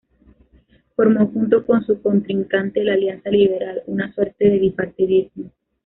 Formó junto con su contrincante, la Alianza Liberal una suerte de bipartidismo.